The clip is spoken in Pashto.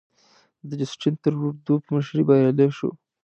د جسټین ترودو په مشرۍ بریالی شو.